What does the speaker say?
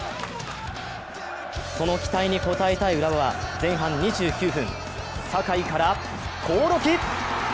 その期待に応えたい浦和は前半２９分、酒井から興梠！